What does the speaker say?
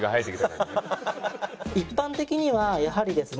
一般的にはやはりですね